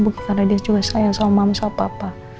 bukan karena dia juga kaya sama mama sama papa